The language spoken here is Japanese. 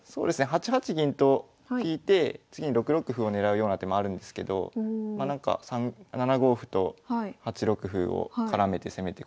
８八銀と引いて次に６六歩を狙うような手もあるんですけどなんか７五歩と８六歩を絡めて攻めてこられる。